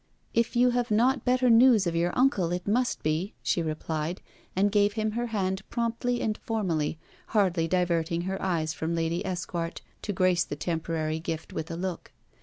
'If you have not better news of your uncle, it must be,' she replied, and gave him her hand promptly and formally, hardly diverting her eyes from Lady Esquart to grace the temporary gift with a look.